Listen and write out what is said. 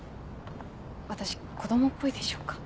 私子供っぽいでしょうか？